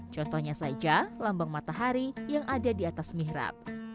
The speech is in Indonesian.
contohnya saja lambang matahari yang ada di atas mihrab